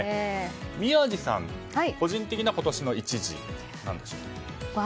宮司さん、個人的な今年の１字は何でしょうか。